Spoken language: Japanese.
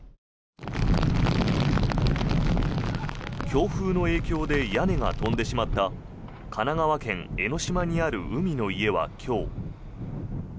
強風の影響で屋根が飛んでしまった神奈川県・江の島にある海の家は今日。